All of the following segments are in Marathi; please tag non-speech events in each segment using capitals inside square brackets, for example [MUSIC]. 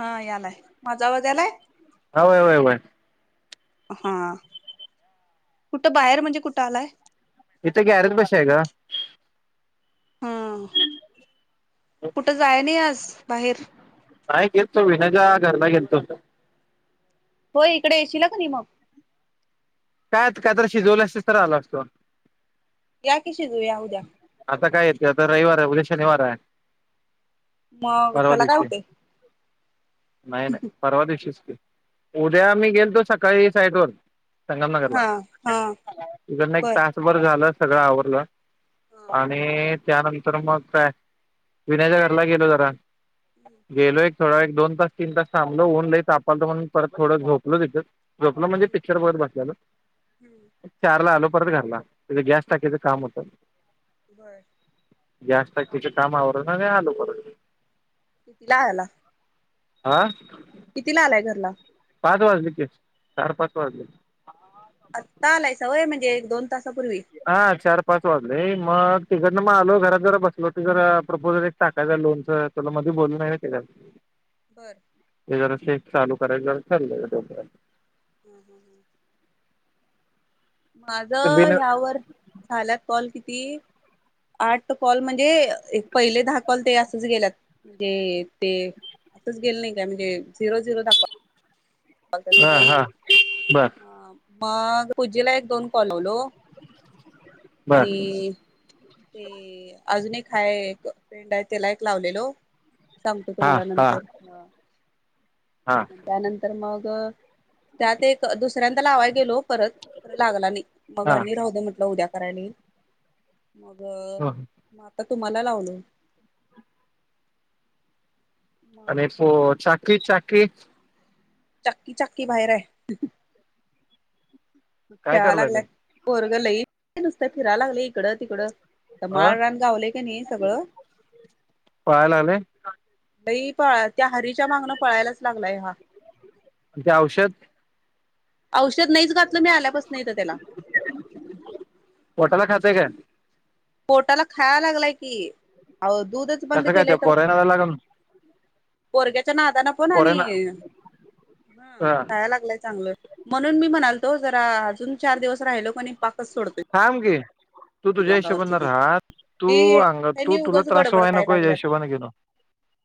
हा यालाय माझा आवाज यालाय हा वय वय वय हा कुठं बाहेर म्हणजे कुठं आलाय इथ ग्यरच भाष आहे का हम मग कुठं जाय नाही आज बाहेर नाही गेत तो विनयच्या घरला गेेत तो हो इकडे येशील का नाही मग काय काहीत शिजवलं असते तर आला असतो या की शिजूया उद्या आता काय येते आता रविवार आहे उद्या शनिवार आहे मग परवा त्याला काय दिशी होते नाही नाही परवा दिशीच क उद्या आम मीही गेलतो सकाळी साईठ वर संगमनगरला हा हा तकडन एक बर तासभर झालं सगळं आवरलं हा आणि त्यानंतर मग काय विनयाच्या घरला गेलो जरा गेलो एक थोडा एक दोन तास तीन तास थांबलं ऊन लई तापलो म्हणून परत थोडं झोपलंो तिथं झोपलं म्हणजे पिक्चर बघत बसलेल चारला आलो परत गारला गॅस स्टाक कामत बर जास्त तिच्या कामावर ना आलो बरो कितीला हला आा किती ला आलाय घरला पाच वाज लेस च पाच वाज आतालाय सवय म्हणजे एक दोन तास हा चार पाच वागली मग तिकडनं मग आलो घरात जरा बसलो ती जरा प्रपोजल एक टाकायच लोनच तुला मध्ये बोलूय ना त्या बर ते जरा शेक चाू करेल ज चा हम्म हम्म हम्म माझ ते बिन ह्यावर झाल्यात कॉल किती आठ कॉल म्हणजे एक पहिले दहा कॉल ते असच गेलातणजे ते असंच गेलं नाही काय म्हणजे झिरो झिरो दाखवा पा हा चिकन हा बर ह मग पूजीला एक दोन कलवलो बर आणि ते अजून एक हाय फ्रेंड आहे त्याला एक लावलेलो सांगतो हा तुम्हाला हा नंतर ह हा मग त्यात एक दुसऱ्यांदा लावाय गेलो परत तर लागला नाही मग आणि हा राहूदे म्हटलं उद्या करायला येईल मग म आता तुम्हाला लावलोय अँड ईस्ट सो चाकी चाकी चक्की चाक्की बाहेर हाय काय खेळा करायला लागलय लागेल पोरग लय नुसत फिरा लागलय इकडं तिकडं तर अ माळरान गावलय कनि सगळ पळायला लागले लई पळत्या हरीच्या मागनं पळायलाच लागलाय हा आणि ते औषध औषध नाहीच घातलं मी आल्यापासन इथ त्याला पोटाला खातय काय पोटाला खायालागलाय की अहो दूधच बंद कसं काय त्या केलंय तर पोरायनाला लागल पोरग्या च्या नादान पण आणि पोरायना ह हा खायाय लागल चांगल म्हणून मी म्हणाल तो जरा अजून चार दिवस राहिलो कनि थांब की तू तुझ्या अंगावरच हिशोबान दूध राह तू ते अग तू त्यांनी तुला उगच त्रास गडबड व्हाय कराय नको या लागल्यात हिशोबान घे ना [INAUDIBLE]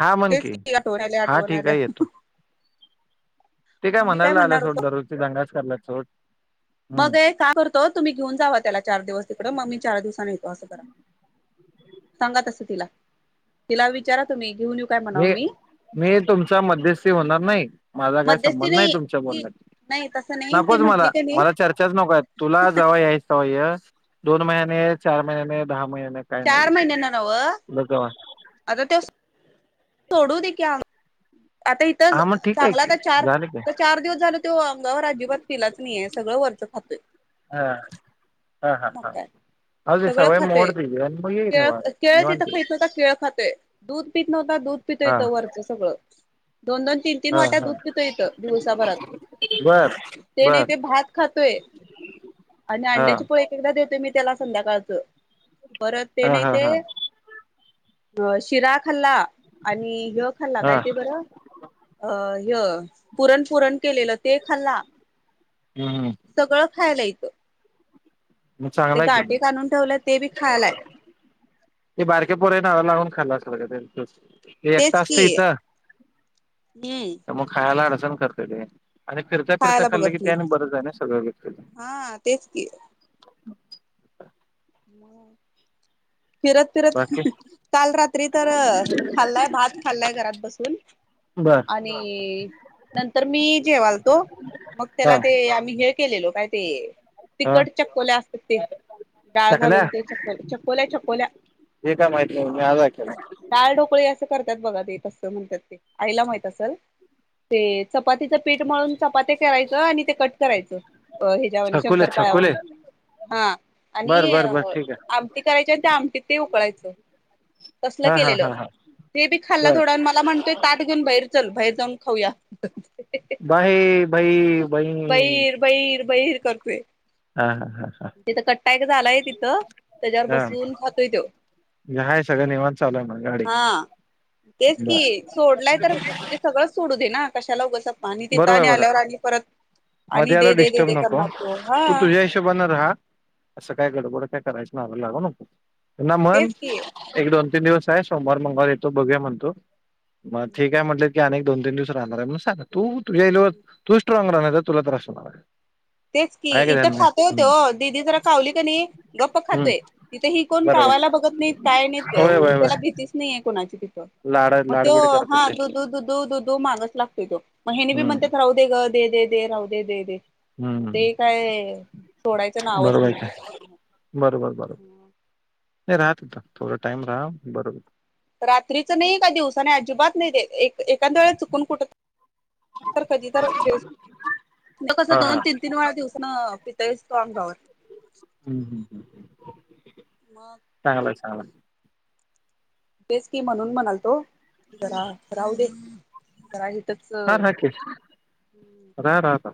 हा म्हण तेच की आठवण आल्या हा आठवण ठीक आल्या आहे येतो ते काय मग मी म्हणायला आलं म्हणणार होतो सोड दररोज दंगाच करल्यात सोड हम्म मग ए का करतो तुम्ही घेऊन जावा त्याला चार दिवस तिकडं मग मी चार दिवसानी येतो म अस करा सांगा तस तिला तिला विचारा तुम्ही घेऊन येऊ काय म्हणाव मी मी तुमचा मध्यस्थी होणार नाही माझा काय मध्यस्थी संबंध नाही तुमच्या ती नाही तसं बोलण्यात नाही ती नकोच मला म्हंटली की नाही मला चर्चा चर्चा नको तुला जवा यायचं तवा ये स दोन महिने चार महिने दहा महिने नाही काय नाही चार विषय महिन्यांना नवं तुला काय तोडू दे की आम आता इथंच हा मग अ ठीक आहे चांगला की आता चार झालं की अ चार दिवस झाल तो अंगावर अजिबात पिलाच नाहीे सगळं वर सगळ खातोय हाहा हा मग हा ह काय सगळं खातोय केळ निवांत अ केळ तिथं निवांत ये खाईत नव्हता केळ खातोय दूध पित नव्हता दूध पि पितो हा इथ वरचं सगळं दोन दोन तीन तीन हा वाट्या हा दूध पितो इथ दिवसाभरात बर ते नाही बर ते भात खातोय आणि हा अंड्याची पोळी एकेकदा देतोय मी त्याला संध्याकाळचं परत ते हा नाही हा ते हा अ शिरा खाल्ला आणि ह खाल्ला काय हा ते बरं अ ह पुरण पुरण केलेलं ते खाल्ला हम्म सगळं खायलय मग ते चांगला आहे की मग गाठे काढून ठेवलं ते बी खायालाय ते बारक्या पोराच्या नादाला लागून खाल्ला असल ग ते तसं ते एकटा तेच की असतय इथं हम्म तर मग खायला अडचण करतय ते आणि फिरता फिरता खायला खाल्लं की बघत ते नाही आणि बरंच आहे ना सगळ मिक्स होतय हा तेच की म फिरत फिरत ह बाकी ह काल रात्री तर खाल्लाय भात भात खाल्लाय घरात बसून बर आणि नंतर मी जेवालतो मग हा त्याला ते आम्ही हे केलेलो काय ते हा तिकट चक्योल्या असतात ते डाळ चकल्या घालून ते च चकोल्या चकोल्या हे काय माहित नाही मी आज ऐकलं डाळ ढोकळी ते असं करतात बघा ते तसं म्हणत्यात ते आईला माहित असलं ते च चपातीचं पीठ म्हळून चपाती करायचं आणि ते कट करायचं ह्याज्यवाणी छकुले शंकरपाळ्या छकुले वाणी! हा बर आणि बर बर ठीक आमटी करायच्या त्या आमटीत ते उकळायचं. तसलं आहे हा हा केलेलं हा हा ते बी खाल्लं बर थोडं मला म्हणतोय ताट घेऊन बाहेर चल बाहेर जाऊन! खाऊया. [UNINTELLIGIBLE] बहीर करतोय - हा हा हा तिथ कट्टा एक झालाय तिथं त्याच्यावर हा बसून खातोय तो! म्हणजे हाय सगळं निवांत चालू आहे मग गाडी हा तेच बर कि सोडलाय तर म्हणजे सगळंच सोडू दे ना! कशाला उगाच सपा आणि तिथं आणि बरोबर बरं आल्यावर आणि परत - मध्ये आता डिस्टर्ब नको तू तुझ्या हिशोबान - रहा अस काय गडबड काय करायच काय नादाला लागू नको म्हण तेच की एक दोन - दिवस आहे सोमवार मंगळवार येतो बघूया म्हणतो मग ठीक आहे म्हटल. की आणि दोन तीन दिवस राहणार आहे म सांग तू तुझ्या इ तू स्ट्रॉंग राहणार तुला त्रास होणार आहे. तेच की आहे का इथं ध्यान नाही खातोय ओ हम्म तो दीदी जरा कावली की नी गप्प हम्म खातोय तिथं ही कोण का - बरोबर भावला बघत नाही काय नाही होय होय त्याला होय भीतीच नाहीे कोणाची लाड - मग तो लाडबीड करतात हा ते दुध दुध दुधू मागस लागतोय तो मग ह्यांनी बी हम्म म्हणत्यात ते राहू दे ग - दे दे दे राहू दे दे दे मग ते हम्म काय! सोडायचं नावच बरोबर नाही का घेत बरोबर -! नाही रहा तिथ थोडा टाइम राहा बर होईल. रात्रीच नाही का दिवसा नाही अजिबात नाही देत एक - एकांद वेळेत चुकून कुठ कधी तर - कसं हा दोन हा तीन -तीन वेळा दिवसान पितोयच तो अंगावर - चांगला मग हा तेच की म्हणून म्हणाल तो जरा राहू दे जरा - ह र हाकीे रहा -रहा आता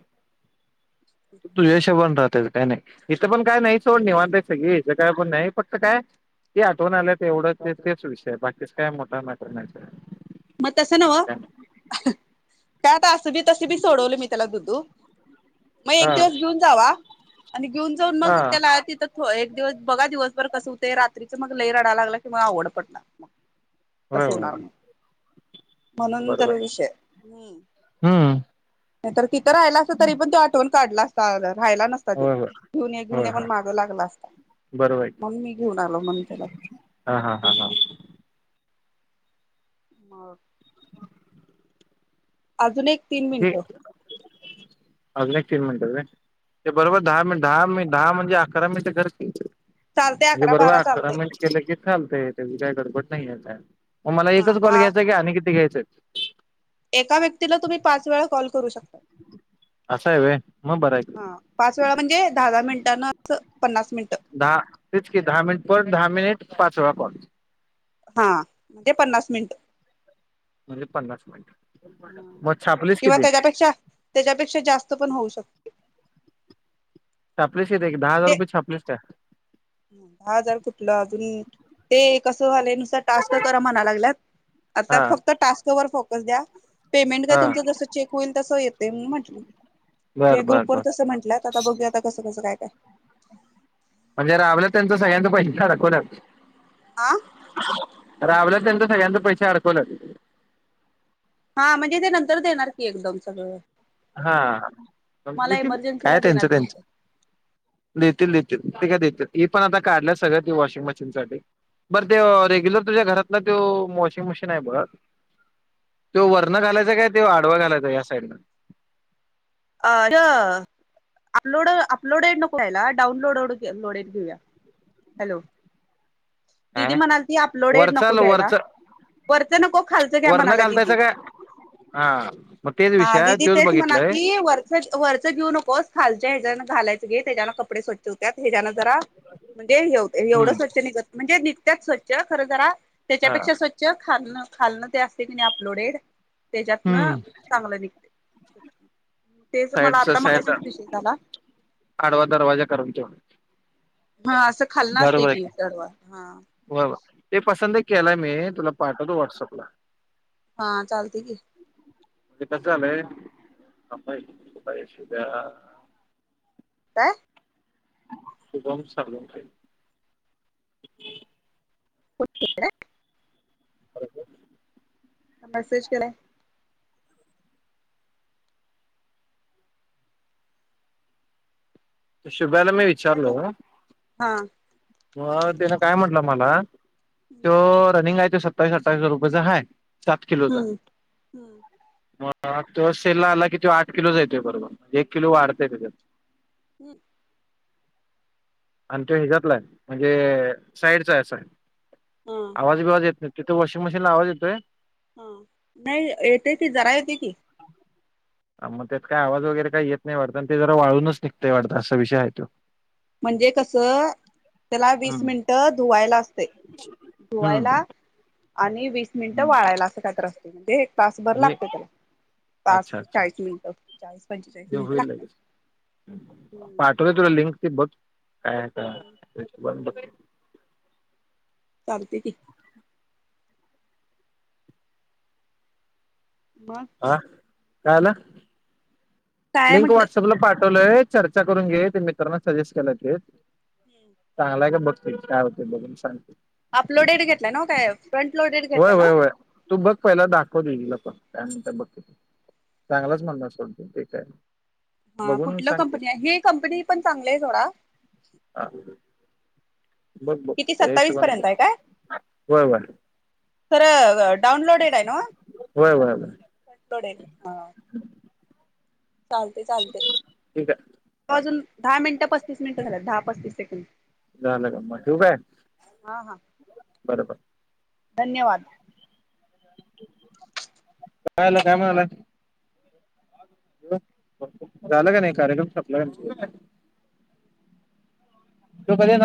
तू तुज्या हिशोबाने रहा त्यांच काय नाही इथं पण काय नाही सोड निवांत आहेत सगळी. काय पण नाही पटत काय. ते आठवण आलं तर एवढं तेच विषय बाकीच काय मोठा मॅटर नाही सोड! मग तसं नव काय आता असं बी तस बी सोडवले मी त्याला दुधू - मग एक हा दिवस घेऊन जावा आणि घेऊन जाऊन हा मग त्याला तिथं! हो एक दिवस बघा दिवसभर कसं होते रात्रीच मग लई रडाय लागला की मग आवड पडणार. होय तसं होय होणार ना - म्हणून तर बरोबर विषय हम्म हम्म - नाही तर तिथं राहि असं तरी पण तो आठवून काढला असता. रायला नसता तो होय होय घेऊन घेऊन होय या पण होय मागं लागला असता. बरोबर आहे मग मी घेऊन आलो म्हण त्याला! हा हा हा हा मग अजून एक - हे अजून एक तीन मिनट बरोबर दहा मि दहा मिनट - दहा म्हणजे अकरा मिनट कर की! चालते म्हणजे अकरा बारा बरोबर चालते मिनिट केलं की थांबतय त्याची काय गडबट नाही काय. मग मला हा एकच कॉल दहा घ्यायचाय की आणि किती घ्यायचंय! एका व्यक्तीला तुम्ही पाच वेळा कॉल करू शक असं आहे व्हय मग बरं आहे की हा पाच वेळा म्हणजे दहा- दहा मिनिटांना अस दहा तेच की दहा मिनिट पण दहा मिनिट पाच वेळा कॉल हा ते पन्नास मिनिट म्हणजे पन्नास मिनट हा किंवा त्याज्यापेक्षा त्याज्यापेक्षा जास्त पण होऊ शक छापलीस किती दहा हजार म्हणजे रुपये छापलीस काय दहा हजार कुठलं अजून ते कस झालय नुसत टास्क कर म्हणाय लागल्यात आता हा फक्त टास्क वर फोकस द्या. पेमेंट काय हा तुमचं जसं चेक होईल तसं येते म म्हटली. बर हे बर ग्रुप वर बर तसं म्हटल्यात आता बघूया आता कसं कसं काय काय म्हणजे राबलं त्यांचा सगळ्यांचा पैसे थंडकूनच आ. रावलं त्यांंत सगळ्यांच पैसे अडकुणाचं हा म्हणजे ते नंतर देणार की एकदम सगळं हा पण तुम्हाला किती काय इमर्जन्सीला त्यांचं देणार की त्यांचं देतील देतील ते काय मी पण आता काढलय सगळ वॉशिंग मशीन साठी बर ते रेग्युलर तुझ्या घरातलं त्यो वॉशिंग मशीन आहे बघ [INAUDIBLE] त्यो वर्ण हा घालायचं काय त्यो आडवा घालायचाय साईडन अ ड अपलोड अपलोड नको व्हायला डाउनलोड लोडेड घेऊया. हॅलो दिदी ह म्हणालती अपलोडेड वरचा नको घ्यायला. वरच वरचं नको खालचं घ्या वरण म्हणाल्या दिदी घालतायचा काय हा मग तेच हा विषय आहे दिदी तोच तेच बघितलाय म्हणातली वरच वरच घेऊ नकोस खाल त्या ह्याजा घालायच घे त्याजान कपडे स्वछ होत्यात हेजान जरा म्हणजे हे होतय एवढं हम्म स्वछ निघत जे निकत्याच स्वच्छ खरं जरा हा त्याच्यापेक्षा स्वच्छ खाल्न खालनं ते असते की नाही अपलोडेड त्याच्यातन हम्म चांगलं निघतय. [INAUDIBLE] तेच मला साईडचा आता साईड मगाशीच विषय झाला. आडवा दरवाजा करून ठेव हा असं खालना असतय की दडवा हा व्हय व्हय ते पसंद एक केलाय मी तुला पाठवतो व्हॉट्सअपला हा चालते की ते कसं झालंय [UNINTELLIGIBLE] काय शुभम सर्वटे [INAUDIBLE] [INAUDIBLE] [UNINTELLIGIBLE] मेसेज केलाय शुभ्याला मी विचारलो हा. मग त्यान काय म्हंटलं मला हम्म त्यो रनिंग हाय त्यो सत्तावीसं आठ्ठावीस रुपयचा हाय सात किलोचा हम्म हम्म म अ त्यो सेलला आला कि त्यो आठ किलोचा येतोय बरोबर एक किलो वाढतय त्याच्यात हम् आणि त्यो ह्याजातलाय म्हणजे साईडचाय असा हा आवाज बिवाज येत नाही. तिथ वॉशिंगमशीनला आवाज येतोय. हा नाही येतोय की जरा येतोय की अ म त्यात काय आवाज वगैरे काही येत नाही वाटत आणि ते जरा वाळूनच निघतय वाटत असा विषय हाय त्यो म्हणजे कसं त्याला वीस हम्म मिनिटं धुवायला असतय हम्म धुवायला. आणि वीस मिनिटं हम्म. वाळायला असं काहीत्र असते म्हणजे एक तासभर लागत त्याला पाच अच्छा अच्छा चाळीस मिनिट चाळीस पंचेचाळीस ते मिनिट होईल लागतात. लगेच हम्म पाठवलं तुला लिंक ते बघ काय आता हम्म हम्म चालते की मग. कायाला काय लिंक म्हटलं व्हॉट्सअपला पाठवलंय चर्चा करून घे ते मित्रांना सजेस्ट केलय ते चांगल्या का बघते काय होतं ते बघून सांगते. अपलोडेड घेतलाय ना काय फ्रंट लोडेड होय घेतलाय ना होय होय तू बघ पहिला दाखवत तीला पण त्यानंतर बघकी चांगलाच म्हणणार सोडत ते काय. हा बघून कुठलं सांगते कंपनी हे कंपनी पण चांगली आहे थोडा हा बघ बघ किती त्या सत्तावीस हिशोबान पर्यंत बघ आहे काय. होय होय तर डाउनलोडेड आहे नो होय होय होय डाउनलोड ह चालतेय चालतेय ठीक आहे हा वाजून दहा मिनिटं पस्तीस मिनिटं झाल्यात दहा पस्तीस सेकंड. झालं ग म ठू काय हा हा बरबर. धन्यवाद. कायला काय म्हणाला. झाला का नाही कार्यक्रम संपला यांचा. तू कधी येणार?